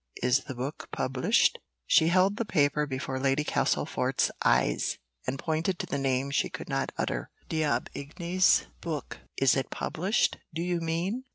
"Is the book published?" She held the paper before Lady Castlefort's eyes, and pointed to the name she could not utter. "D'Aubigny's book is it published, do you mean?"